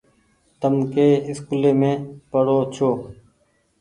تم ڪي اسڪولي مين پڙآئو ڇو ۔